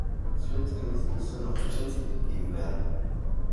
Zuletzt kann die Sauce noch durch ein Sieb gegeben werden.